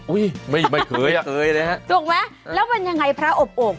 ไม่ไม่เคยอ่ะเคยเลยฮะถูกไหมแล้วมันยังไงพระอบโอ่ง